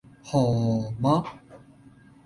何~~~媽